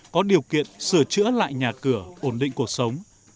có điều kiện sửa chữa lại nhà cửa ổn định cuộc sống